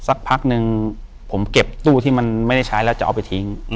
สักพักนึงผมเก็บตู้ที่มันไม่ได้ใช้แล้วจะเอาไปทิ้ง